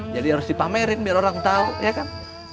jadi harus dipamerin biar orang tau ya kan